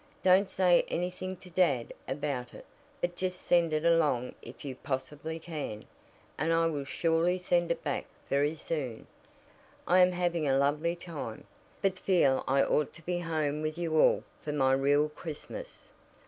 Don't say anything to dad about it, but just send it along if you possibly can, and I will surely send it back very soon. I am having a lovely time, but feel I ought to be home with you all for my real Christmas.